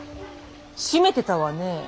絞めてたわねえ。